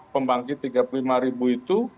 pembangkit rp tiga puluh lima itu